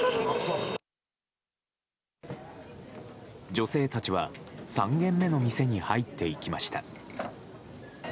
女性たちは３軒目の店に入っていきました。